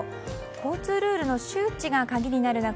交通ルールの周知が鍵になる中